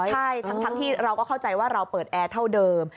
ใช่ทั้งที่เราก็เข้าใจว่าเราเปิดแอร์เท่าเดิม